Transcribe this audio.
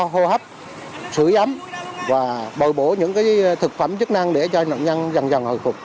hô hấp sửa ấm và bồi bổ những thực phẩm chức năng để cho nạn nhân dần dần hồi phục